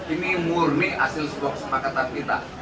ini murni hasil sebuah kesepakatan kita